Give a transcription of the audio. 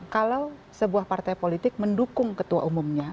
kalau sebuah partai politik mendukung ketua umumnya